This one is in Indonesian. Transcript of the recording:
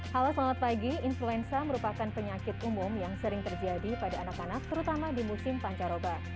halo selamat pagi influenza merupakan penyakit umum yang sering terjadi pada anak anak terutama di musim pancaroba